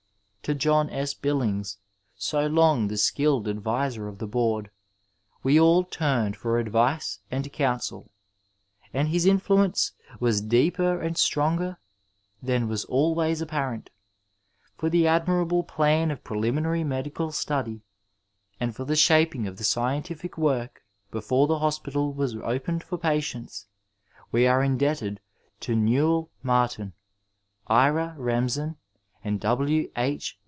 To John S. Billings, so long the skilled adviser of the Board, we all tutned for AB. 401 x> D Digitized by VjOOQIC THE FIXED PERIOD advice and counsel, and his influence was deeper and stronger than was alwsLjs apparent. For the admirable plan of preliminary medical study, and for the shaping of the scientific work before the hospital was opened for patients, we are indebted to Newell Martin, Ira Remsen and W. H.